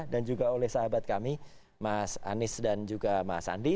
dan juga oleh sahabat kami mas anies dan juga mas andi